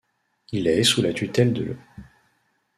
Elle est sous la tutelle de l'.